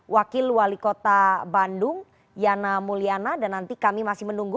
wakil wali kota bandung yana mulyana dan nanti kami masih menunggu